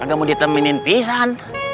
agak mau diteminin pisan